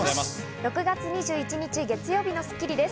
６月２１日、月曜日の『スッキリ』です。